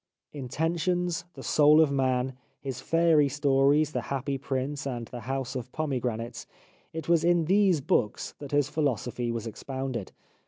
"Intentions," "The Soul of Man," his Fairy stories " The Happy Prince," and " The House of Pomegranates ": it was in these books that his philosophy was expounded.